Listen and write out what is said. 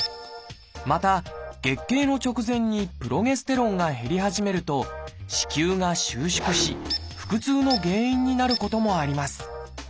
また月経の直前にプロゲステロンが減り始めると子宮が収縮し腹痛の原因になることもあります。